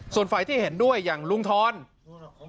ส่วนฝ่ายที่เห็นด้วยอย่างลุงทร